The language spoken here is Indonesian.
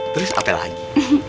terus apa lagi